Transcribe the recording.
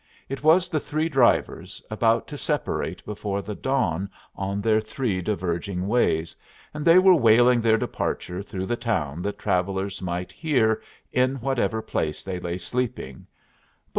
It was the three drivers, about to separate before the dawn on their three diverging ways, and they were wailing their departure through the town that travellers might hear, in whatever place they lay sleeping.